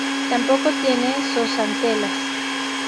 Tampoco tiene zooxantelas.